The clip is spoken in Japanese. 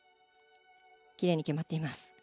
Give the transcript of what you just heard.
奇麗に決まっています。